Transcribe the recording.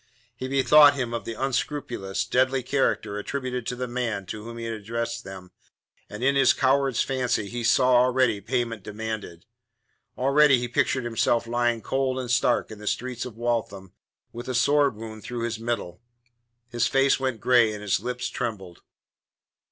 He bethought him of the unscrupulous, deadly character attributed to the man to whom he had addressed them, and in his coward's fancy he saw already payment demanded. Already he pictured himself lying cold and stark in the streets of Waltham with a sword wound through his middle. His face went grey and his lips trembled.